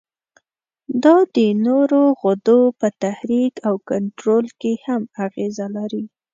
دا د نورو غدو په تحریک او کنترول کې هم اغیزه لري.